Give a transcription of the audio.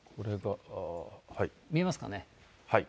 見えますかね。